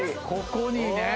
ここにね。